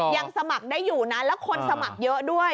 ยังสมัครได้อยู่นะแล้วคนสมัครเยอะด้วย